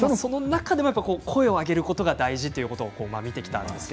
声を上げることが大事ということを見てきました。